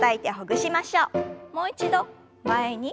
もう一度前に。